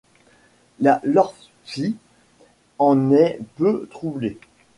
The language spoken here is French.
La lordship en est peu troublée.